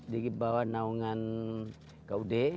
di bawah naungan kud